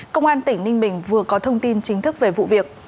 công an tỉnh ninh bình vừa có thông tin chính thức về vụ việc